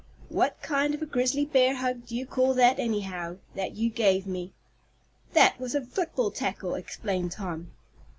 "What kind of a grizzly bear hug do you call that, anyhow, that you gave me?" "That was a football tackle," explained Tom.